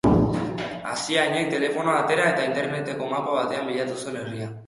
Asiainek telefonoa atera eta interneteko mapa batean bilatu zuen herria.